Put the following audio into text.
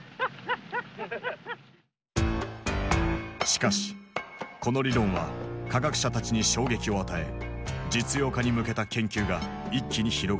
しかしこの理論は科学者たちに衝撃を与え実用化に向けた研究が一気に広がっていく。